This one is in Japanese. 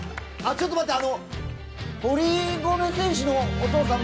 ちょっと待ってあの。